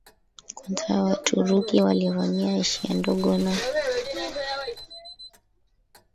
kwanza ya Waturuki waliovamia Asia Ndogo na